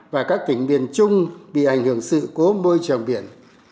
và các tỉnh biển chung bị ảnh hưởng sự cố môi trường biển